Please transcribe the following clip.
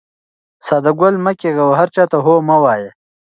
ساده ګل مه کېږه او هر چا ته هو مه وایه.